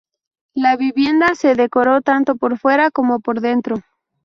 La vivienda se decoró tanto por fuera como por dentro.